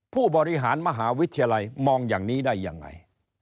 ผู้บริหารมหาวิทยาลัยมองอย่างนี้ได้ยังไง